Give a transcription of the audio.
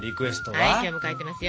はい今日も書いてますよ。